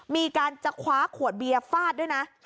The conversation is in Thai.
มีการจะคว้าขวดเบียร์ฟาดด้วยนะ